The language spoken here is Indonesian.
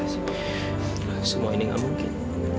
semua ini gak mungkin